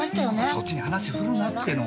そっちに話振るなってのお前は。